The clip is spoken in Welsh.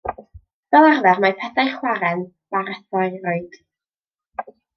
Fel arfer mae pedair chwarren barathyroid.